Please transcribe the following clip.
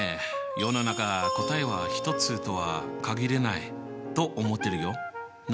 世の中答えはひとつとは限らないと思ってるよ。